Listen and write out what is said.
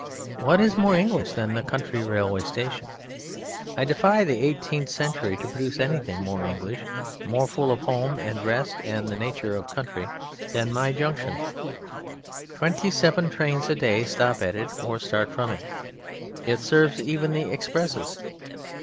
What is more English than the country railway station? I defy the eighteenth century to produce anything more English, more full of home and rest and the nature of the country, than my junction. Twenty seven trains a day stop at it or start from it; it serves even the expresses.